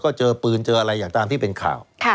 ก็เจอปืนเจออะไรอย่างตามที่เป็นข่าว